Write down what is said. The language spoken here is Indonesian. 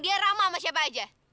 dia ramah sama siapa aja